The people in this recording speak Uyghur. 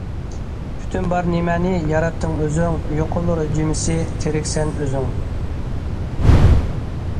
پۈتۈن بار نېمەنى ياراتتىڭ ئۆزۈڭ، يوقۇلۇر جىمىسى، تىرىك سەن ئۆزۈڭ.